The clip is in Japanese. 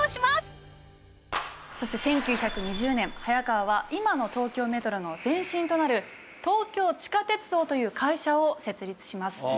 そして１９２０年早川は今の東京メトロの前身となる東京地下鉄道という会社を設立します。